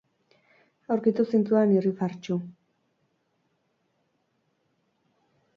Aurkitu zintudan irrifartsu.